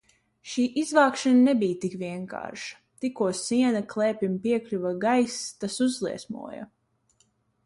Šī izvākšana nebija tik vienkārša, tikko siena klēpim piekļuva gaiss, tas uzliesmoja.